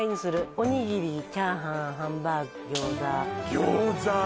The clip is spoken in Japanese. おにぎりチャーハンハンバーグ餃子餃子！